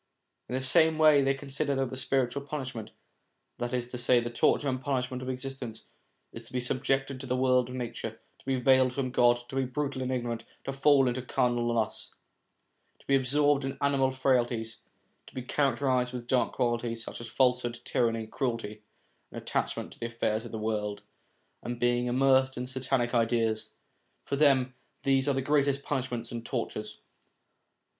In the same way they consider that the spiritual punishment, that is to say the torture and punishment of existence, is to be subjected to the world of nature, to be veiled from God, to be brutal and ignorant, to fall into carnal lusts, to be absorbed in animal frailties ; to be characterised with dark qualities, such as falsehood, tyranny, cruelty, attachment to the affairs of the world, and being immersed in satanic ideas; for them, these are the greatest punishments and tortures.